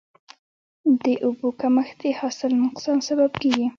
د اوبو کمښت د حاصل نقصان سبب کېږي.